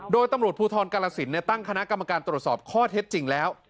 โดยตำรวจภูทรกาลสินตั้งคณะกรรมการตรวจสอบข้อเท็จจริงแล้ว